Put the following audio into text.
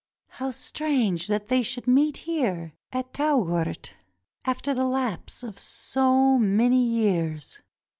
How strange that they should meet here, at Tougourt, after the lapse of so many years.